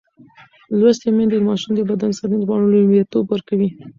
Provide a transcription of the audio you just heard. لوستې میندې د ماشوم د بدن ساتنې ته لومړیتوب ورکوي.